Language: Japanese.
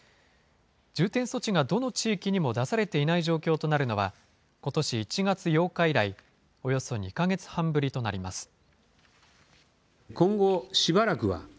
重点措置がどの地域にも出されていない状況となるのは、ことし１月８日以来、およそ２か月半ぶりとなります。